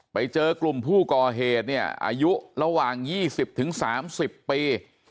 ไปเจอกลุ่มผู้ก่อเหนี่ยอายุระหว่างยี่สิบถึงสามสิบปี